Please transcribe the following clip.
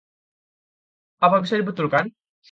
Apa bisa dibetulkan?